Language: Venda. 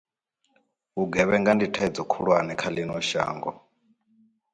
Vhugevhenga ndi thaidzo khulwane kha ḽino shango.